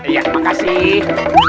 ya terima kasih